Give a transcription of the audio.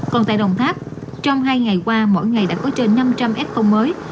còn tại đồng tháp trong hai ngày qua mỗi ngày đã có trên năm trăm linh f mới